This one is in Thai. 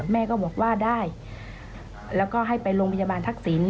แม่ก็บอกว่าได้แล้วก็ให้ไปโรงพยาบาลทักษิณ